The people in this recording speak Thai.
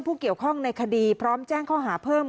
ผู้เกี่ยวข้องในคดีพร้อมแจ้งข้อหาเพิ่ม